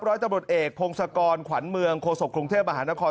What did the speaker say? ร้อยตำรวจเอกพงศกรขวัญเมืองโฆษกรุงเทพมหานคร